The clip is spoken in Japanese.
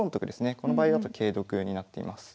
この場合だと桂得になっています。